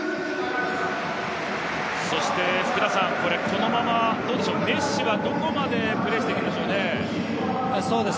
このままメッシはどこまでプレーしていくんでしょうね？